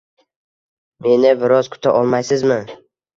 Meni biroz kuta olmaysizmi?